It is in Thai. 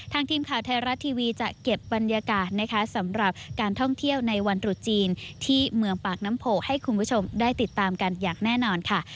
ทีมข่าวไทยรัฐทีวีจะเก็บบรรยากาศนะคะสำหรับการท่องเที่ยวในวันตรุษจีนที่เมืองปากน้ำโพให้คุณผู้ชมได้ติดตามกันอย่างแน่นอนค่ะ